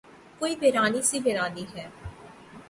کوئی ویرانی سی ویرانی ہے